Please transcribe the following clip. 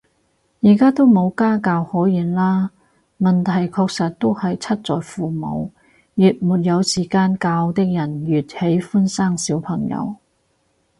而家都冇家教可言啦，問題確實都是出在父母，越沒有時間教的人越喜歡生小朋友